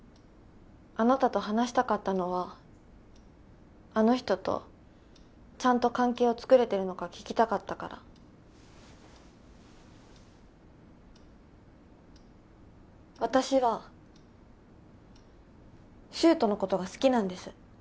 あなたと話したかったのはあの人とちゃんと関係を作れてるのか聞きたかったから私は柊人のことが好きなんです